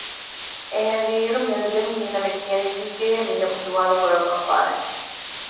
އެހެންވީ އިރު މިއަދު ދެން މީނަ މި ކިޔަނީ ކީކޭހޭ މީހަކު ސުވާލުކުރައްވައިފާނެ